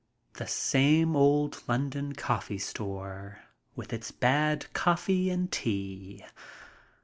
The same old London coffee store, with its bad coffee and tea.